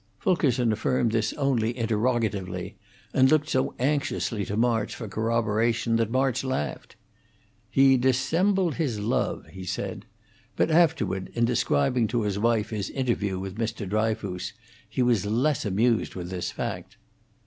Fulkerson affirmed this only interrogatively, and looked so anxiously to March for corroboration that March laughed. "He dissembled his love," he said; but afterward, in describing to his wife his interview with Mr. Dryfoos, he was less amused with this fact.